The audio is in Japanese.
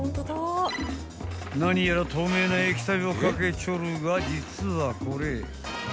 ［何やら透明な液体を掛けちょるが実はこれ］